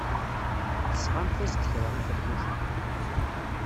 Tesɣamt-as-d kra i Feḍmuca.